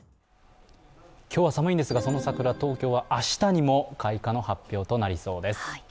今日は寒いんですが、その桜、東京は明日にも開花の発表となりそうです。